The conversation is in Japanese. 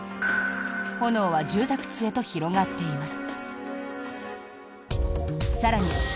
炎は住宅地へと広がっています。